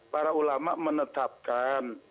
para ulama menetapkan